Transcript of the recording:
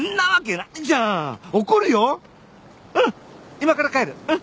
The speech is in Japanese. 今から帰るうん！